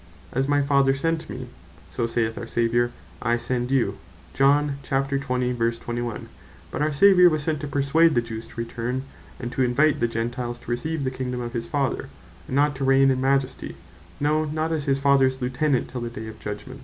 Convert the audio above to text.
As my Father sent me, (so saith our Saviour) I send you. But our Saviour was sent to perswade the Jews to return to, and to invite the Gentiles, to receive the Kingdome of his Father, and not to reign in Majesty, no not, as his Fathers Lieutenant, till the day of Judgment.